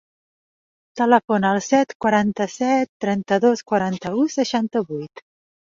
Telefona al set, quaranta-set, trenta-dos, quaranta-u, seixanta-vuit.